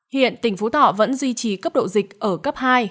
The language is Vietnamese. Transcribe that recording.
hiện tỉnh phú thọ vẫn duy trì cấp độ dịch ở cấp hai